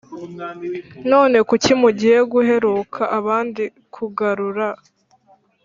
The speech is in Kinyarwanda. None kuki mugiye guheruka abandi kugarura